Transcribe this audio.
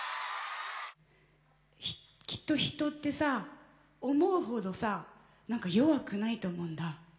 きっと人ってさ思うほどさ弱くないと思うんだ。